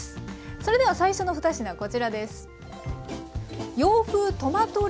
それでは最初の２品こちらです。